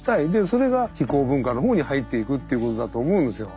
それが非行文化のほうに入っていくということだと思うんですよ。